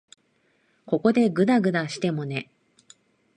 ここでぐだぐだしてもね。